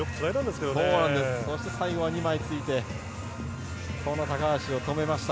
最後は２枚ついて高橋を止めました。